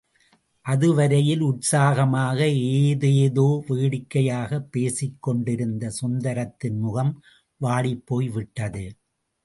அதுவரையில் உற்சாகமாக ஏதேதோ வேடிக்கையாகப் பேசிக்கொண்டிருந்த சுந்தரத்தின் முகம் வாடிப்போய்விட்டது.